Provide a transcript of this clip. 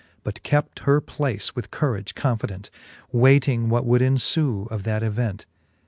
But kept her place with courage confident, Way ting what would enfue of that event.